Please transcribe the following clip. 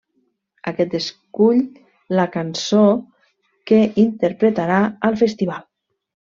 Aquest escull la cançó que interpretarà al Festival.